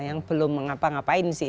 yang belum mengapa ngapain sih